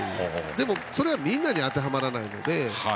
でも、それはみんなに当てはまらないので。